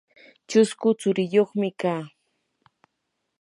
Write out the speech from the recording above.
chusku tsuriyuqmi kaa.